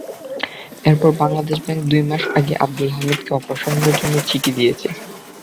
এরপরে বাংলাদেশ ব্যাংক দুই মাস আগে আবদুল হামিদকে অপসারণের জন্য চিঠি দিয়েছে।